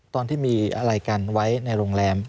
ตอนที่มีอะไรกันไว้ในโรงแรม